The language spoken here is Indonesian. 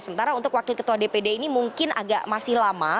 sementara untuk wakil ketua dpd ini mungkin agak masih lama